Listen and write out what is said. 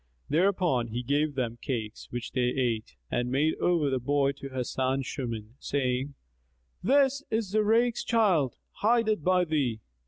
Thereupon he gave them cakes, which they ate, and made over the boy to Hasan Shuman, saying, "This is Zurayk's child; hide it by thee."